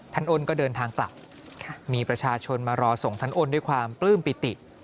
อ้นก็เดินทางกลับมีประชาชนมารอส่งท่านอ้นด้วยความปลื้มปิติ